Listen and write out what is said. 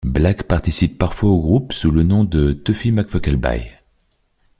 Black participe parfois au groupe sous le nom de Tuffy McFuckelby.